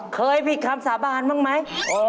เคยผิดคำสาบานบ้างไหม